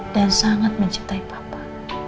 dan sangat mencintai papa